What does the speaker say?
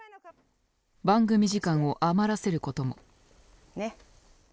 番組時間を余らせることも。